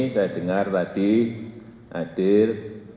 saya dengar tadi hadir